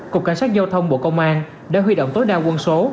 cục cảnh sát giao thông bộ công an đã huy động tối đa quân số